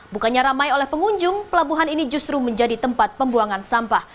bukannya ramai oleh pengunjung pelabuhan ini justru menjadi tempat pembuangan sampah